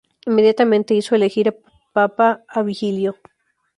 Inmediatamente hizo elegir papa a Vigilio.